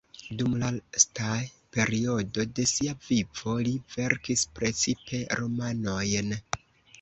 Dum lasta periodo de sia vivo li verkis precipe romanojn.